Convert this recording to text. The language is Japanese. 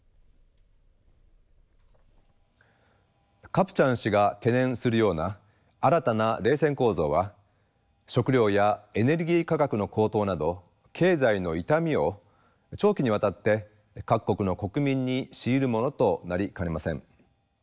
カプチャン氏が懸念するような新たな冷戦構造は食糧やエネルギー価格の高騰など経済の痛みを長期にわたって各国の国民に強いるものとなりかねません。